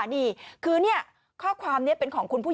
กินให้ดูเลยค่ะว่ามันปลอดภัย